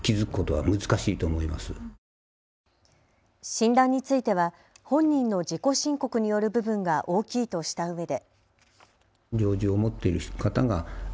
診断については本人の自己申告による部分が大きいとしたうえで。